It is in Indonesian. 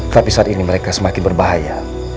tapi saat ini mereka semakin berbahaya